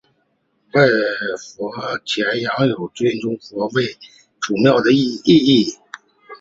拜佛钳羊有尊崇佛山为祖庙的意义。